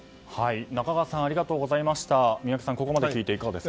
中川さんありがとうございました。